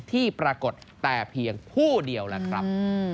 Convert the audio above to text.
ที่ปรากฏแต่เพียงผู้เดียวล่ะครับ